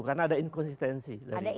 karena ada inkonsistensi dari jokowi